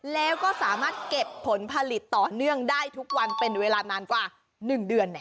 แล้วก็สามารถเก็บผลผลิตต่อเนื่องได้ทุกวันเป็นเวลานานกว่า๑เดือน